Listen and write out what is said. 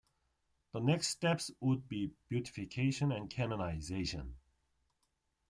The next steps would be beatification and canonization.